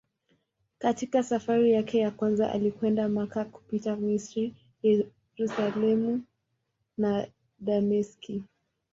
Katika safari yake ya kwanza alikwenda Makka kupitia Misri, Yerusalemu na Dameski.